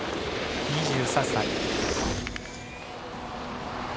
２３歳。